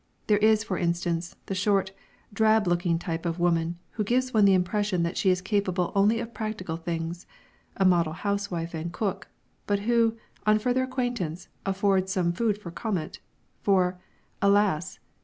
There is, for instance, the short, drab looking type of woman who gives one the impression that she is capable only of practical things a model housewife and cook but who, on further acquaintance, affords some food for comment; for, alas!